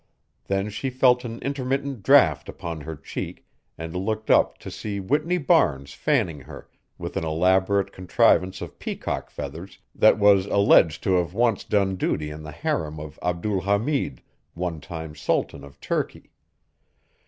Then she felt an intermittent draught upon her cheek and looked up to see Whitney Barnes fanning her with an elaborate contrivance of peacock feathers that was alleged to have once done duty in the harem of Abdul Hamid, one time Sultan of Turkey.